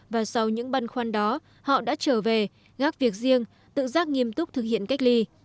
và sau những băn khoăn đó họ đã trở về ngác việc riêng tự giác nghiêm túc thực hiện cách ly